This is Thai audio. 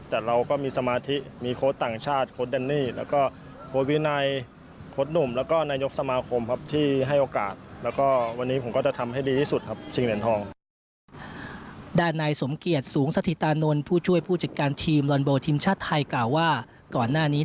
แต่เราก็มีสมาธิมีโคตรต่างชาติโคตรเดนนี่